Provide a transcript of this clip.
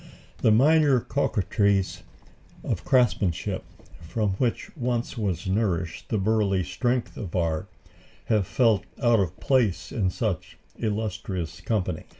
The minor coquetries of craftsmanship, from which once was nourished the burly strength of art, have felt out of place in such illustrious company.